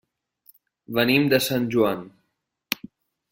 Venim de Sant Joan.